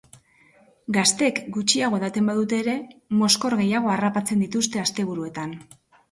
Gazteek gutxiago edaten badute ere, mozkor gehiago harrapatzen dituzte asteburuetan.